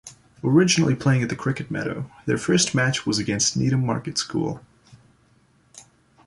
Originally playing at the Cricket Meadow, their first match was against Needham Market School.